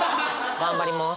頑張ります。